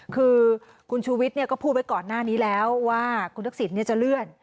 คือคุณชูวิทย์ก็พูดไว้ก่อนหน้านี้แล้วว่าคุณทักษิณจะเลื่อน